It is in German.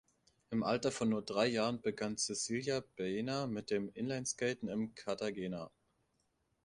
Im Alter von nur drei Jahren begann Cecilia Baena mit dem Inlineskaten in Cartagena.